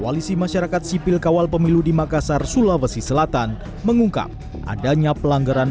koalisi masyarakat sipil kawal pemilu di makassar sulawesi selatan mengungkap adanya pelanggaran